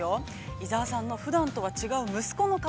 伊沢さんのふだんとは違う息子の顔。